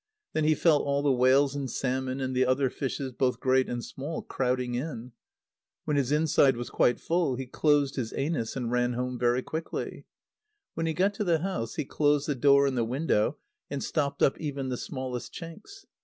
Then he felt all the whales and salmon and the other fishes, both great and small, crowding in. When his inside was quite full, he closed his anus, and ran home very quickly. When he got to the house he closed the door and the window, and stopped up even the smallest chinks.